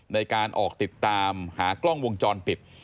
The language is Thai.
ในการออกติดตามหากล้องวงจรปิด